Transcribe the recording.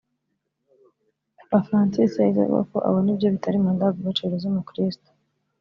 Papa Francis yahise avuga ko abona ibyo bitari mu ndangagaciro z’umukirisitu